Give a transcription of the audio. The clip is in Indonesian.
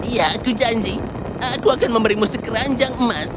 ya aku janji aku akan memberimu sekeranjang emas